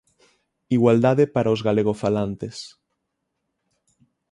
Igualdade para os galegofalantes.